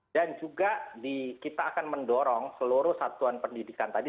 dan juga kita akan mendorong seluruh satuan pendidikan tadi